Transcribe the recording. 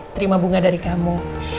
terima bunga dari kamu